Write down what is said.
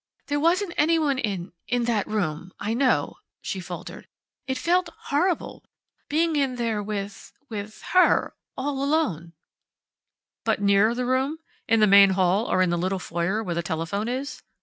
"There wasn't anyone in in that room, I know," she faltered. "It felt horrible being in there with with her all alone " "But near the room? In the main hall or in the little foyer where the telephone is?"